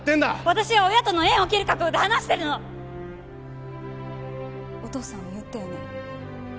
私は親との縁を切る覚悟で話してるのお父さんは言ったよね